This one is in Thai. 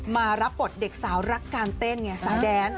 มารับบทเด็กสาวรักการเต้นไงสาวแดน